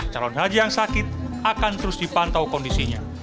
calon haji yang sakit akan terus dipantau kondisinya